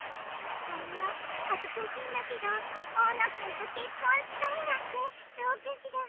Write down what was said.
あの恥ずかしいんだけど「大野君と結婚したい」なんてどうかしら。